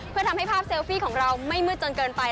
เพื่อทำให้ภาพเซลฟี่ของเราไม่มืดจนเกินไป